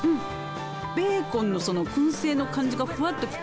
ベーコンのそのくん製の感じがふわっときて